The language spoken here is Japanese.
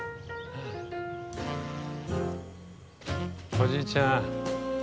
おじいちゃん